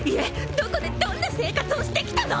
どこでどんな生活をしてきたの！？